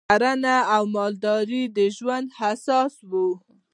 کرنه او مالداري د ژوند اساس و